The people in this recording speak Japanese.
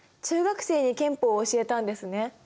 中学生に憲法を教えたんですね。